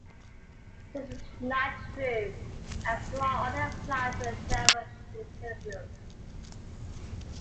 This is not true, as the law only applies in thermal equilibrium.